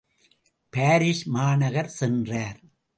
Paris மாநகர் சென்றார்.